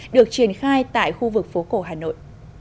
được triển khai tại khu vực phố cổ hà nội